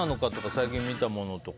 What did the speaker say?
最近見たものとか。